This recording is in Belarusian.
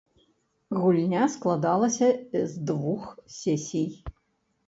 Гульня складалася з двух сесій.